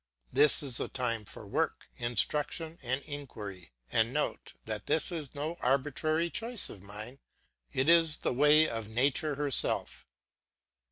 This is the time for work, instruction, and inquiry. And note that this is no arbitrary choice of mine, it is the way of nature herself.